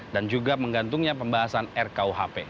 dan juga menggantungnya pembahasan rkuhp